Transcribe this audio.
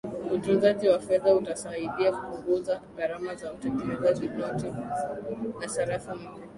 utunzaji wa fedha utasaidia kupunguza gharama za kutengeneza noti na sarafu mpya